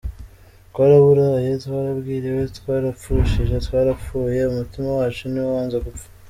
Twaraburaye, twarabwiriwe, twarapfushije, twarapfuye, umutima wacu niwo wanze gupfa.